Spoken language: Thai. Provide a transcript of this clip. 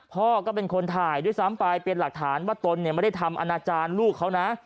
พ่อก็เป็นคนถ่ายด้วยซ้ำไปเป็นหลักฐานว่าตนเนี่ยไม่ได้ทำอนาจารย์ลูกเขานะ